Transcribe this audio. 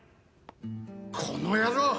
「この野郎！」